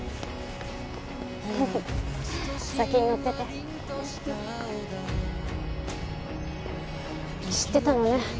先に乗ってて知ってたのね